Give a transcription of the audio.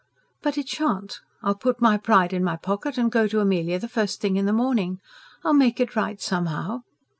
"But it shan't. I'll put my pride in my pocket and go to Amelia the first thing in the morning. I'll make it right somehow.